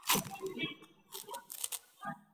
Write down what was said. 还有几次应美国总统的邀请在白宫演出。